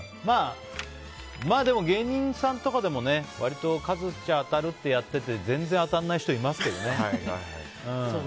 まあ、でも芸人さんとかでも数打ちゃ当たるってやってて全然当たらない人いますけどね。